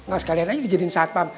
nggak sekalian aja dijadiin satpam